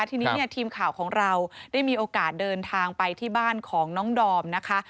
ทีนี้เนี่ยทีมข่าวของเราได้มีโอกาสเดินทางไปที่บ้านของน้องดอมนะคะ